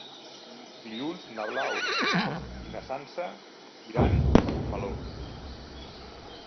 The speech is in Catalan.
Dilluns na Blau i na Sança iran a Montmeló.